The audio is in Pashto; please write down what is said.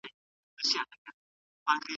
ایا کورني سوداګر تور ممیز اخلي؟